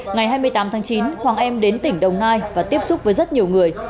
ngày hai mươi tám tháng chín hoàng em đến tỉnh đồng nai và tiếp xúc với rất nhiều người